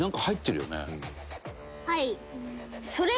はい。